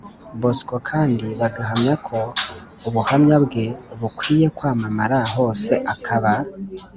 Bosco kandi bagahamya ko ubuhamya bwe bukwiye kwamamara hose akaba